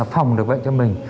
nó phòng được bệnh cho mình